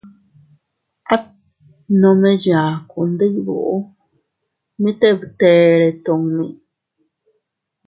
At nome yaku, ndibuu, mite btere tummi.